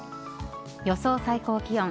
予想最高気温。